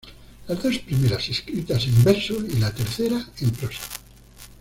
Las dos primeras escritas en verso y la tercera en prosa.